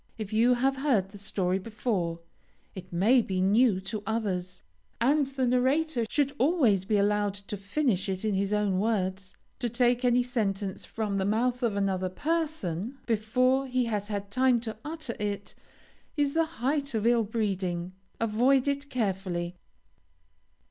If you have heard the story before, it may be new to others, and the narrator should always be allowed to finish it in his own words. To take any sentence from the mouth of another person, before he has time to utter it, is the height of ill breeding. Avoid it carefully.